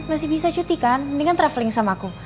masih bisa cuti kan mendingan traveling sama aku